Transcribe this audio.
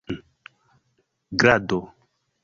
grado